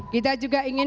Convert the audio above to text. kita juga ingin